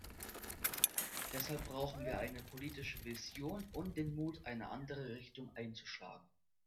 Deshalb brauchen wir eine politische Vision und den Mut, eine andere Richtung einzuschlagen.